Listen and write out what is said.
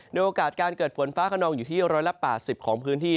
โดยโอกาสการเกิดฝนฟ้าขนองอยู่ที่๑๘๐ของพื้นที่